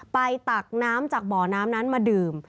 ตักน้ำจากบ่อน้ำนั้นมาดื่ม